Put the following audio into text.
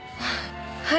はい。